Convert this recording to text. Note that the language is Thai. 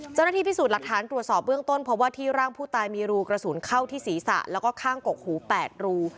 เจ้าหน้าที่พิสูจน์หลักฐานตรวจสอบเบื้องต้นเพราะว่าที่ร่างผู้ตายมีรูกระสุนเข้าที่ศีรษะแล้วก็ข้างกกหู๘รู